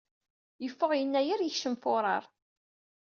Yeffeɣ Yennayer, yekcem Furar.